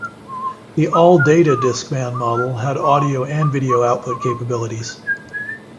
The All Data Discman model had audio and video output capabilities.